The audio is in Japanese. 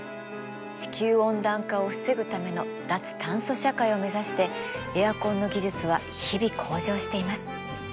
地球温暖化を防ぐための脱炭素社会を目指してエアコンの技術は日々向上しています。